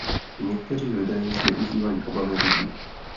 Někteří lidé zneužívají obavy lidí.